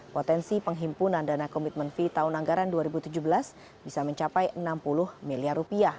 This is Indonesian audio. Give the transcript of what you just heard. potensi penghimpunan dana komitmen fee tahun anggaran dua ribu tujuh belas bisa mencapai rp enam puluh miliar